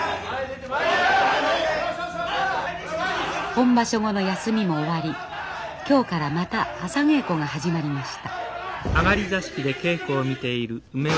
本場所後の休みも終わり今日からまた朝稽古が始まりました。